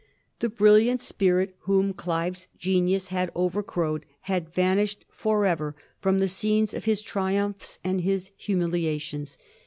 The brilliant spirit whom Olive's genius had over crowed had vanished forever from the scenes of his tri umphs and his humiliations.